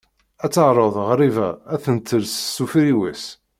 Ad teɛreḍ ɣriba ad ten-tels s ufriwes